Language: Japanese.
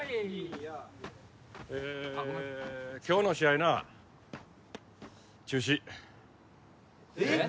ええ今日の試合な中止えっ？